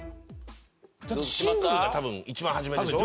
だってシングルが多分一番初めでしょ。